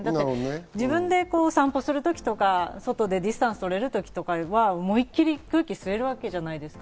自分で散歩する時とか、ディスタンスを取れる時とかいうのは思いきり空気を吸えるわけじゃないですか。